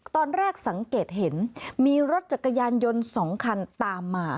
ตอนแรกสังเกตเห็นมีรถจักรยานยนต์๒คันตามมา